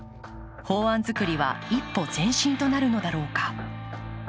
法案作りは一歩前進となるのだろうか。